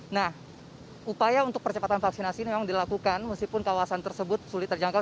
nah upaya untuk percepatan vaksinasi memang dilakukan meskipun kawasan tersebut sulit terjangkau